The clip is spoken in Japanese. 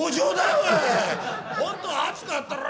本当熱かったろ？」。